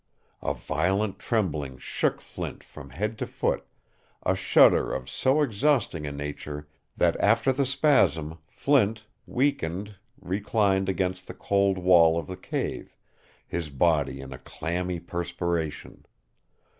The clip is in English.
A violent trembling shook Flint from head to foot, a shudder of so exhausting a nature that after the spasm Flint, weakened, reclined against the cold wall of the cave, his body in a clammy perspiration.